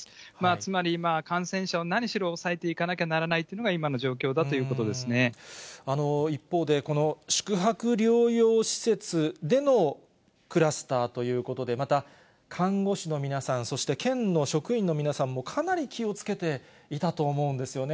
つまり今、感染者を何しろ抑えていかなきゃならないというのが今の状況だと一方で、この宿泊療養施設でのクラスターということで、また看護師の皆さん、そして県の職員の皆さんも、かなり気をつけていたと思うんですよね。